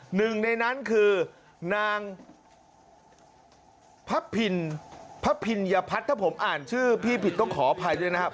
หนึ่งในนั้นคือนางพระพินพระพิญญพัฒน์ถ้าผมอ่านชื่อพี่ผิดต้องขออภัยด้วยนะครับ